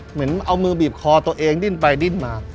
เหมือนเอามือบีบคอตัวเองดิ้นไปดิ้นมา